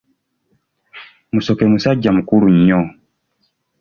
Musoke musajja mukulu nnyo.